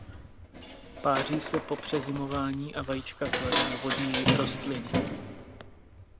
Páří se po přezimování a vajíčka klade na vodní rostliny.